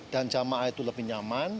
dan jamaah itu lebih nyaman